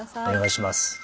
お願いします。